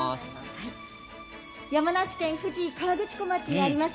山梨県富士河口湖町にあります